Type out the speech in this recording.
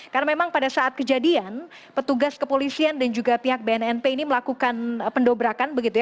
karena memang pada saat kejadian petugas kepolisian dan juga pihak bnnp ini melakukan pendobrakan begitu ya